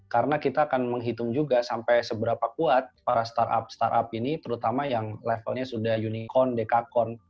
karena kita akan menghitung juga sampai seberapa kuat para startup startup ini terutama yang levelnya sudah unicorn dekakorn